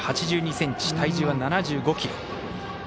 １ｍ８２ｃｍ体重は７５ｋｇ。